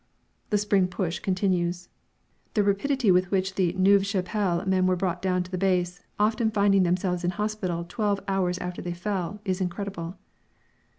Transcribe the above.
The spring push continues. The rapidity with which the Neuve Chapelle men were brought down to the base, often finding themselves in hospital twelve hours after they fell, is incredible.